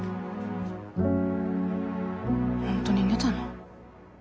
本当に寝たの？